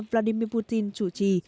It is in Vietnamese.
vladimir putin chủ trì